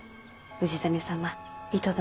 氏真様糸殿。